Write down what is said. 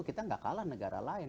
kita tidak kalah negara lain